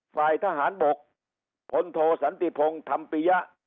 ฝ่ายทหารบกพลโทสันติพงศ์ธรรมปิยะ